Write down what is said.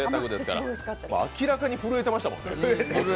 明らかに震えてましたもんね。